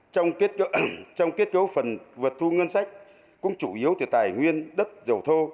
trong kết cấu phần vượt thu ngân sách cũng chủ yếu từ tài nguyên đất dầu thô